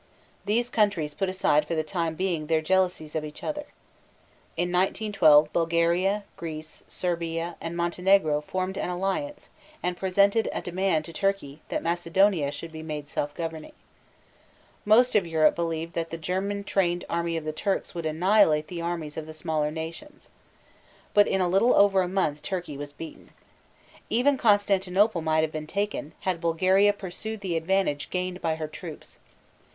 These countries put aside for the time being their jealousies of each other. In 1912 Bulgaria, Greece, Serbia, and Montenegro formed an alliance and presented a demand to Turkey that Macedonia should be made self governing. Most of Europe believed that the German trained army of the Turks would annihilate the armies of the smaller nations. But in a little over a month Turkey was beaten. Even Constantinople might have been taken had Bulgaria pursued the advantage gained by her troops.